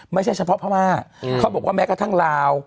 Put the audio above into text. ไม่ใช่เฉพาะพม่าเขาบอกว่าแม้กระทั่งลาว